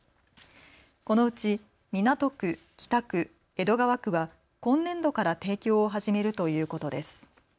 このうち港区、北区、江戸川区は今年度から提供を始めるということです。